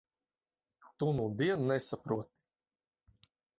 Tu nudien nesaproti.